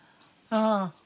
ああ。